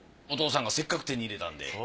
お父さんがせっかく手に入れたんで。